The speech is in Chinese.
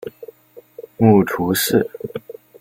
母屠氏。